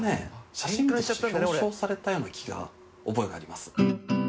写真部として表彰されたような気が覚えがあります。